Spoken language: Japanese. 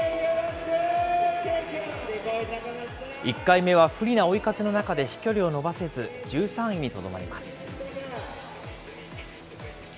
１回目は不利な追い風の中で飛距離を伸ばせず、１３位にとどまります。